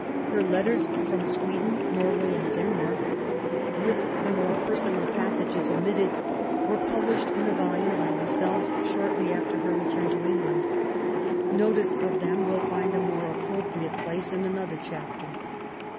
Her Letters from Sweden, Nrnway^mid Denmark ^ with the more personal passages omitted, were published in a volume by themselves shortly after her return to England. Notice of them will find a more appropriate place in another chapter.